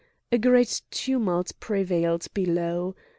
A great tumult prevailed below.